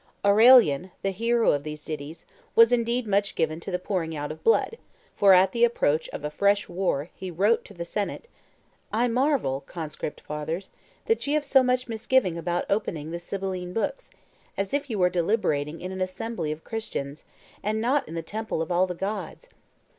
Aurelian, the hero of these ditties, was indeed much given to the pouring out of blood, for at the approach of a fresh war he wrote to the senate, "I marvel, Conscript Fathers, that ye have so much misgiving about opening the Sibylline books, as if ye were deliberating in an assembly of Christians, and not in the temple of all the gods.